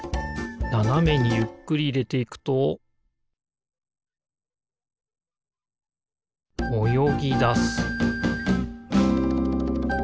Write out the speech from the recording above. ななめにゆっくりいれていくとおよぎだす